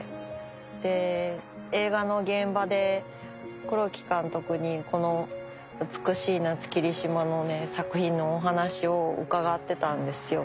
で映画の現場で黒木監督にこの『美しい夏キリシマ』の作品のお話を伺ってたんですよ。